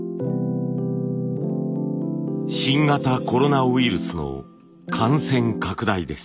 新型コロナウイルスの感染拡大です。